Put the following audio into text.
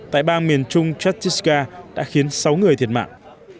tại bang miền trung chatiska đã khiến sáu người thiệt mạng